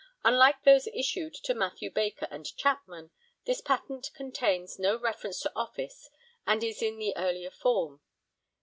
Unlike those issued to Mathew Baker and Chapman, this patent contains no reference to office and is in the earlier form.